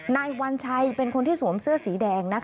นายวัญชัยเป็นคนที่สวมเสื้อสีแดง